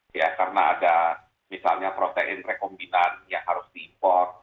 karena ada misalnya protein rekombinan yang harus diimpor